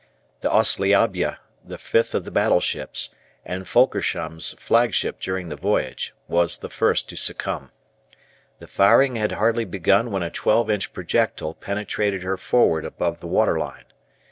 The "Ossliabya," the fifth of the battleships, and Fölkersham's flagship during the voyage, was the first to succumb. The firing had hardly begun when a 12 inch projectile penetrated her forward above the water line.